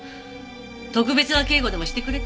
特別な警護でもしてくれた？